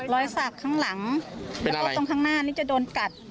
สักข้างหลังแล้วก็ตรงข้างหน้านี่จะโดนกัด